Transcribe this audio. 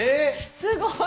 すごい。